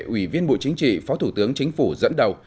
ủy viên bộ chính trị phó thủ tướng chính phủ dẫn đầu